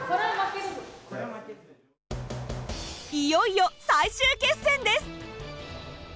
いよいよ最終決戦です。